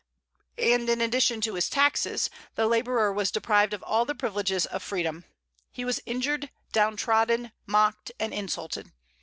And, in addition to his taxes, the laborer was deprived of all the privileges of freedom. He was injured, downtrodden, mocked, and insulted.